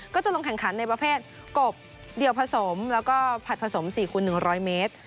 ก็จะลงแข่งขันในประเภทกบเดียวผสมแล้วก็ผัดผสม๔คูณ๑๐๐เมตร